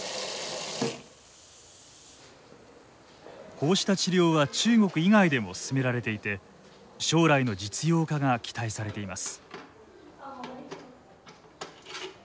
こうした治療は中国以外でも進められていて将来の実用化が期待されています。